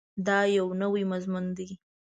دا یو نوی مضمون دی.